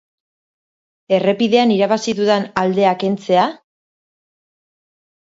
Errepidean irabazi dudan aldea kentzea?